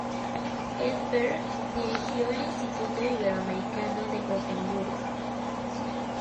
Edberg dirigió el Instituto Iberoamericano de Gotemburgo.